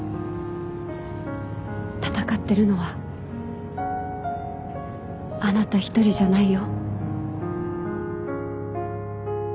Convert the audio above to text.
闘ってるのはあなた１人じゃないよ。